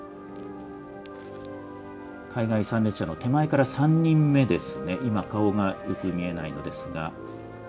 海外参列者の手前から３人目ですね、今、顔がよく見えないのですが。